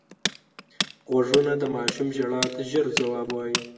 غوږونه د ماشوم ژړا ته ژر ځواب وايي